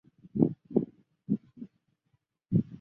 许仕仁是香港赛马会会员等。